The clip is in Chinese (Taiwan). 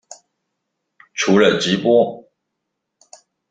除了直播